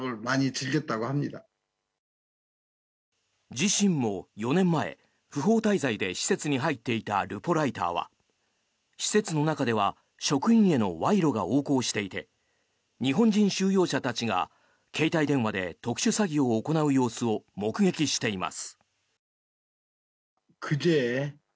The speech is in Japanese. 自身も４年前、不法滞在で施設に入っていたルポライターは施設の中では職員への賄賂が横行していて日本人収容者たちが携帯電話で特殊詐欺を行う様子を目撃しています。